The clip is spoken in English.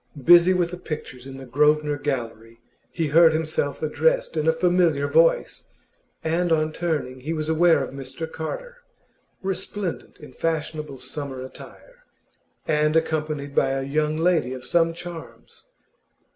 Busy with the pictures in the Grosvenor Gallery, he heard himself addressed in a familiar voice, and on turning he was aware of Mr Carter, resplendent in fashionable summer attire, and accompanied by a young lady of some charms.